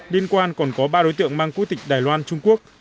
liên quan còn có ba đối tượng mang quốc tịch đài loan trung quốc